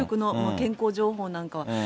健康情報なんかは。